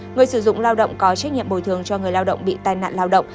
người sử dụng lao động có trách nhiệm bồi thường cho người lao động bị tai nạn lao động